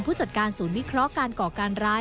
ผู้จัดการศูนย์วิเคราะห์การก่อการร้าย